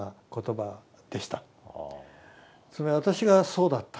それは私がそうだった。